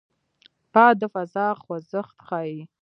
باد د فضا خوځښت ښيي